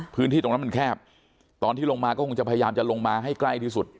พื้นที่ตรงนั้นมันแคบตอนที่ลงมาก็คงจะพยายามจะลงมาให้ใกล้ที่สุด